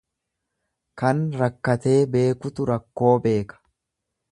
Kan rakkatee beekutu rakkoo beeka.